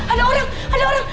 ada orang di rumah ini